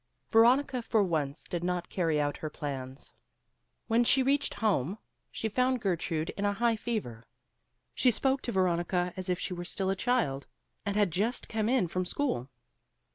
Veronica for once did not carry out her plans. When she reached home she found Gertrude in a high fever. She spoke to Veronica as if she were still a child, and had just come in from school.